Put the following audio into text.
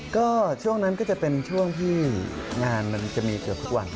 ก็ช่วงนั้นก็จะเป็นช่วงที่งานมันจะมีเกือบทุกวัน